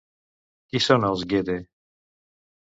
Qui són els Ghede?